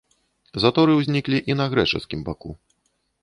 Заторы ўзніклі і на грэчаскім баку.